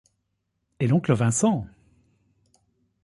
Et l’oncle Vincent !